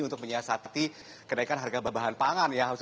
untuk menyiasati kenaikan harga bahan pangan ya